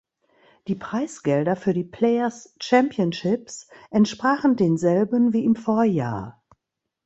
Die Preisgelder für die Players Championships entsprachen denselben wie im Vorjahr.